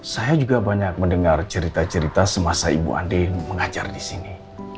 saya juga banyak mendengar cerita cerita semasa ibu ade mengajar di sini